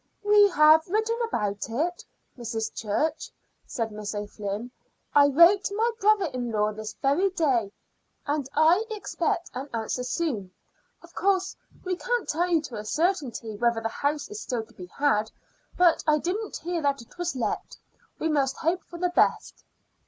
"We have written about it, Mrs. Church," said Miss O'Flynn. "I wrote to my brother in law this very day, and I expect an answer soon. Of course, we can't tell you to a certainty whether the house is still to be had, but I didn't hear that it was let. We must hope for the best."